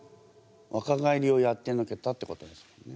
わか返りをやってのけたってことですもんね。